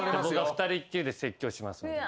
二人きりで説教します。